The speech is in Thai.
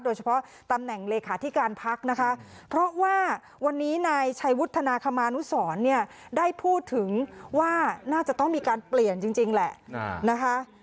ตำแหน่งเลขาธิการพักนะคะเพราะว่าวันนี้นายชัยวุฒนาคมานุสรเนี่ยได้พูดถึงว่าน่าจะต้องมีการเปลี่ยนจริงแหละนะคะ